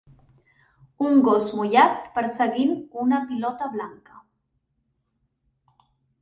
un gos mullat perseguint una pilota blanca.